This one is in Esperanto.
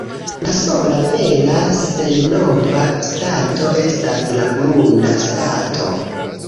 La sola vera senmova stato estas la grunda stato.